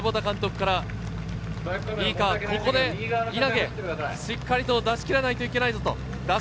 さきほど坪田監督から、いいか、ここで稲毛、しっかりと出し切らないといけないぞ。